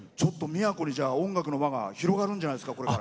宮古に音楽の輪が広がるんじゃないですか？